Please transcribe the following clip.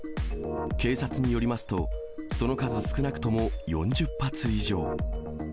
警察によりますと、その数、少なくとも４０発以上。